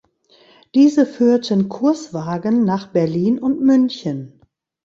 Diese führten Kurswagen nach Berlin und München.